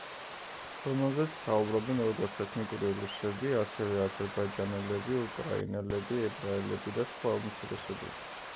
რომელზეც საუბრობენ როგორც ეთნიკური რუსები, ასევე აზერბაიჯანელები, უკრაინელები, ებრაელები და სხვა უმცირესობები.